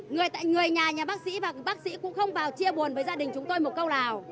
người tại người nhà nhà bác sĩ và bác sĩ cũng không vào chia buồn với gia đình chúng tôi một câu nào